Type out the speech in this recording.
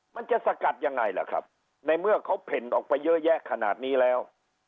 มันจะสกัดยังไงล่ะครับในเมื่อเขาเพ่นออกไปเยอะแยะขนาดนี้แล้ว